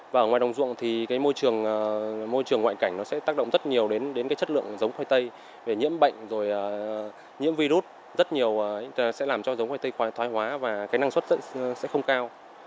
và ở ngoài đông ruộng thì môi trường ngoại cảnh nó sẽ tác động rất nhiều đến chất lượng dống khoai tây nhiễm bệnh nhiễm virus rất nhiều sẽ làm cho dống khoai tây thoái hóa và năng suất sẽ không cao